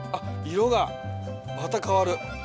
色がまた変わる。